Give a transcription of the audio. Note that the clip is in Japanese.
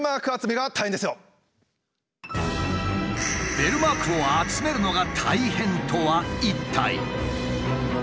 「ベルマークを集めるのが大変！？」とは一体。